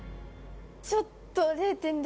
ちょっと０．００